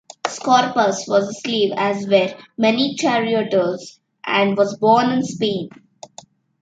Scorpus was a slave, as were many charioteers, and was born in Spain.